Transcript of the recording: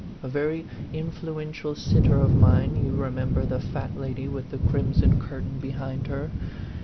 A very influential sitter of mine you remember the fat lady with the crimson cur tain behind her